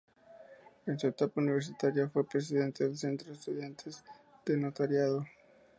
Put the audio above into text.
En su etapa universitaria fue presidente del Centro de Estudiantes de Notariado.